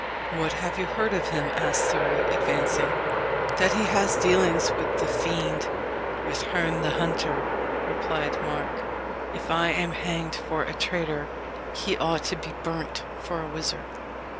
"What have you heard of him?" asked Surrey, advancing. "That he has dealings with the fiend with Herne the Hunter," replied Mark. "If I am hanged for a traitor, he ought to be burnt for a wizard."